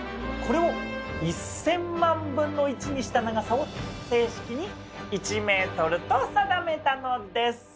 これを１，０００万分の１にした長さを正式に「１ｍ」と定めたのです。